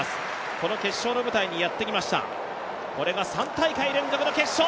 この決勝の舞台にやってきました、これが３大会連続の決勝。